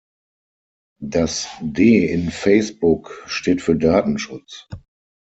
Das D in Facebook steht für Datenschutz.